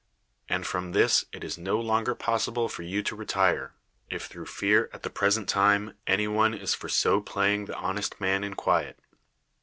And from this it is no longer possible for you to retire; if through fear at the present time any one is for so playing the honest man in quiet.